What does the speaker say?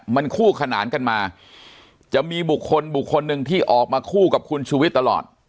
มันคู่ขนานกันมาจะมีบุคคลบุคคลหนึ่งที่ออกมาคู่กับคุณชูวิทย์ตลอด